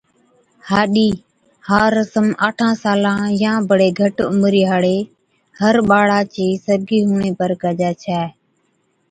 هاڏِي، ھا رسم آٺان سالان يان بڙي گھٽ عمرِي ھاڙي ھر ٻاڙا چي سرگِي ھُوَڻي پر ڪجَي ڇَي